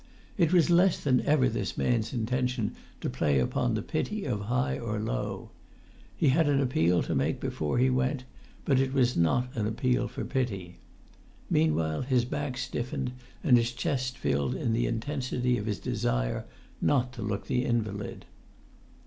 It was less than ever this man's intention to play upon the pity of high or low. He had an appeal to make before he went, but it was not an appeal for pity. Meanwhile his back stiffened and his chest filled in the intensity of his desire not to look the invalid.